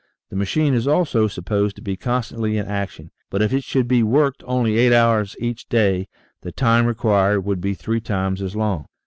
The machine is also supposed to be constantly in action, but if it should be worked only eight hours each day, the time required would be three times as long.